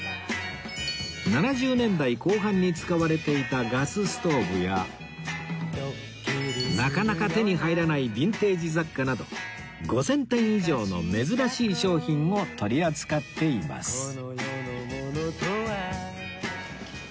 ７０年代後半に使われていたガスストーブやなかなか手に入らないヴィンテージ雑貨など５０００点以上の珍しい商品を取り扱っています